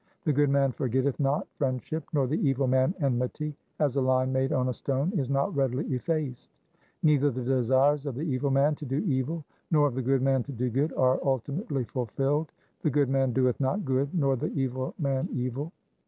The good man forgetteth not friendship, nor the evil man enmity, as a line made on a stone is not readily effaced. Neither the desires of the evil man to do evil nor of the good man to do good are ultimately fulfilled. The good man doeth not good, nor the evil man evil.